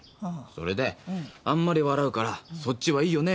それであんまり笑うからそっちはいいよね